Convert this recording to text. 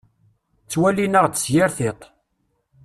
Ttwalin-aɣ-d s yir tiṭ.